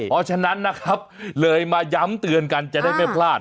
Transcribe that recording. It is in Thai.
เพราะฉะนั้นนะครับเลยมาย้ำเตือนกันจะได้ไม่พลาด